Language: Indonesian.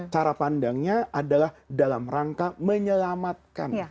cara pandangnya adalah dalam rangka menyelamatkan